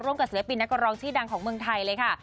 ร่วมกับศิลปินนักกำรองที่ดังของเมืองไทยเลยค่ะ